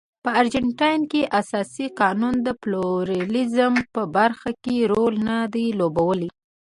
په ارجنټاین کې اساسي قانون د پلورالېزم په برخه کې رول نه دی لوبولی.